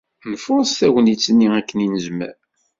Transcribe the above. Nfuṛes tagnit-nni akken ay nezmer.